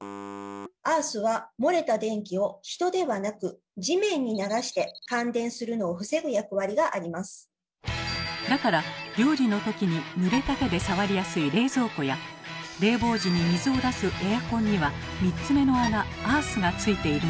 アースは漏れた電気を人ではなくだから料理の時にぬれた手で触りやすい冷蔵庫や冷房時に水を出すエアコンには３つ目の穴アースが付いているのです。